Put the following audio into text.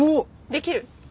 できる。